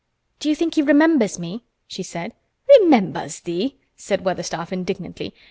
"Do you think he remembers me?" she said. "Remembers thee!" said Weatherstaff indignantly.